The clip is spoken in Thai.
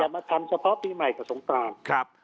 อย่ามาทำเฉพาะปีใหม่กับสงตาม